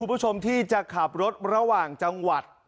คุณผู้ชมที่จะขับรถระหว่างจังหวัด